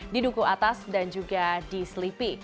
di duku atas dan juga di selipi